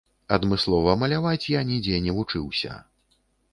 Адмыслова маляваць я нідзе не вучыўся.